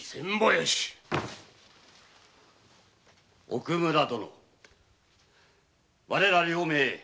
奥村殿我ら両名